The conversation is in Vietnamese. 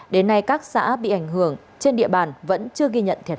đến nay các xã bị ảnh hưởng trên địa bàn vẫn chưa ghi nhận thiệt hại